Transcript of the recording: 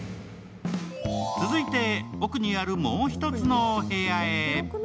続いて奥にあるもう１つのお部屋へ。